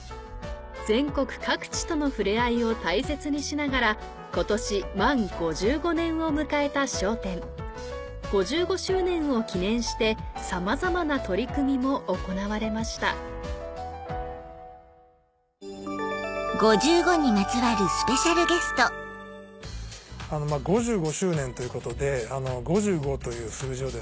全国各地との触れ合いを大切にしながら今年満５５年を迎えた『笑点』５５周年を記念してさまざまな取り組みも行われました５５周年ということで「５５」という数字を考えてみますと